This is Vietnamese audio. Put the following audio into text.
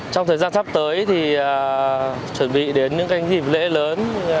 trong thời gian sắp tới thì chuẩn bị đến những dịp lễ lớn